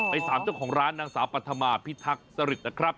ถามเจ้าของร้านนางสาวปัธมาพิทักษรึกนะครับ